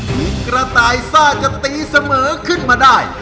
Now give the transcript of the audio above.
บินกระต่ายซ่าจะตีเสมอขึ้นมาได้